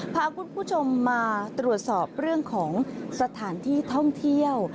พาคุณผู้ชมมาตรวจสอบเรื่องของสถานที่ท่องเที่ยว